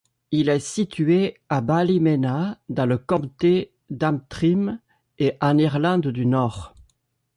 Il est situé à Ballymena dans le Comté d'Antrim en Irlande du Nord.